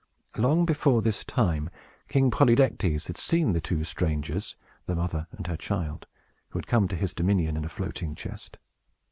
Long before this time, King Polydectes had seen the two strangers the mother and her child who had come to his dominions in a floating chest.